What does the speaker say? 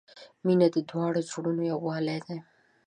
• مینه د دواړو زړونو یووالی دی.